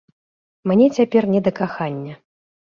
Мне цяпер не да кахання!